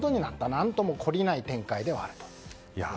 何とも懲りない展開ではあると。